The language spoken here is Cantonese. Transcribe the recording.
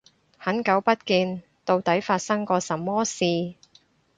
很久不見，到底發生過什麼事